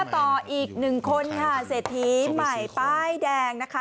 ต่ออีกหนึ่งคนค่ะเศรษฐีใหม่ป้ายแดงนะคะ